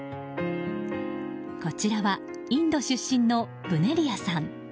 こちらはインド出身のブネリアさん。